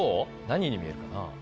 何に見えるかな？